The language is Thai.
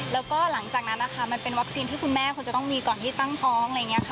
แล้วก็หลังจากนั้นนะคะมันเป็นวัคซีนที่คุณแม่ควรจะต้องมีก่อนที่ตั้งท้อง